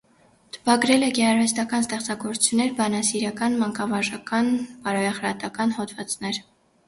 Տպագրել է գեղարվեստական ստեղծագործություններ, բանասիրական, մանկավարժական, բարոյախոսական հոդվածներ։